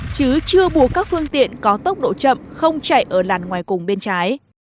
chứ chưa bù các phương tiện có tốc độ chậm không chạy ở làn ngoài cùng bên trái